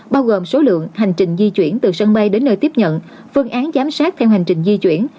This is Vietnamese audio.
bao gồm số lượng hành trình di chuyển từ sân bay đến nơi tiếp nhận phương án giám sát theo hành trình di chuyển